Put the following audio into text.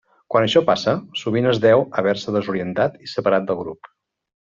Quan això passa, sovint es deu a haver-se desorientat i separat del grup.